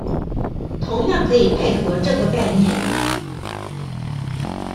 同樣可以配合這個概念